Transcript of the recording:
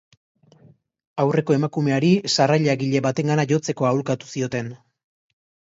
Aurreko emakumeari, sarrailagile batengana jotzeko aholkatu zioten.